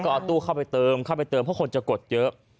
เอาตู้เข้าไปเติมเข้าไปเติมเพราะคนจะกดเยอะ